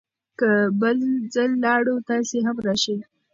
که بل ځل لاړو، تاسې هم راشئ.